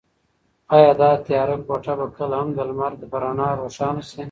ایا دا تیاره کوټه به کله هم د لمر په رڼا روښانه شي؟